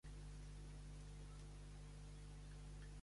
La meva filla es diu Erika: e, erra, i, ca, a.